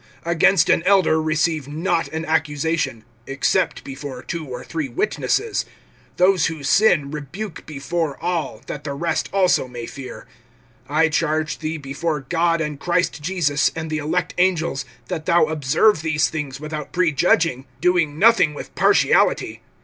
(19)Against an elder receive not an accusation, except before two or three witnesses[5:19]. (20)Those who sin rebuke before all, that the rest also may fear. (21)I charge thee before God, and Christ Jesus, and the elect angels, that thou observe these things without prejudging, doing nothing with partiality.